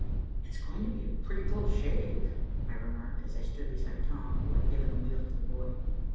"It's going to be a pretty close shave," I remarked, as I stood beside Tom, who had given the wheel to the boy.